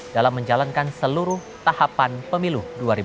dalam menjalankan seluruh tahapan pemilu dua ribu dua puluh